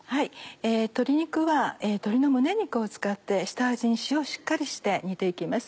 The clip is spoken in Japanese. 鶏肉は鶏の胸肉を使って下味に塩をしっかりして煮て行きます。